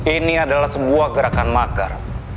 ini adalah sebuah gerakan makar